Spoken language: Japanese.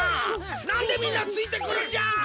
なんでみんなついてくるんじゃ！？